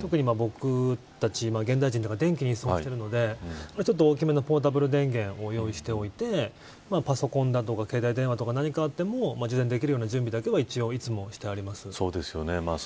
特に僕たち、現代人だから電気に依存しているので大きめなポータブル電源を用意しておいてパソコンや携帯電話とか何かあっても充電できる準備だけは一応いつもしてあります。